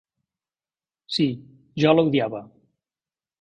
Sí, jo la odiava.